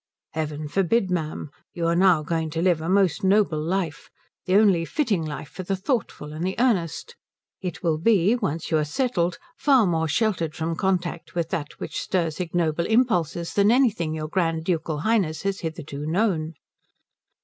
"Heaven forbid, ma'am. You are now going to live a most noble life the only fitting life for the thoughtful and the earnest. It will be, once you are settled, far more sheltered from contact with that which stirs ignoble impulses than anything your Grand Ducal Highness has hitherto known."